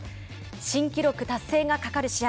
新記録達成がかかる試合。